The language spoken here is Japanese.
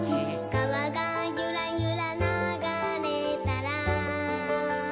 「かわがゆらゆらながれたら」